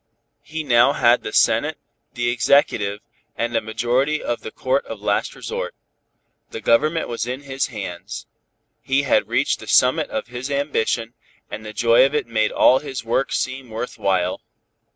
He now had the Senate, the Executive and a majority of the Court of last resort. The government was in his hands. He had reached the summit of his ambition, and the joy of it made all his work seem worth while.